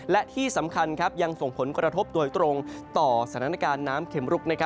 และที่สำคัญยังส่งผลกระทบโดยตรงต่อสถานการณ์น้ำเข็มรุก